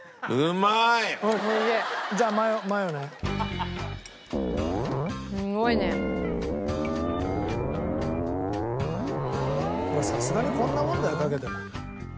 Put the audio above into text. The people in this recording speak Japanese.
まあさすがにこんなもんだよかけても。